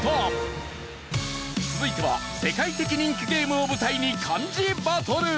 続いては世界的人気ゲームを舞台に漢字バトル！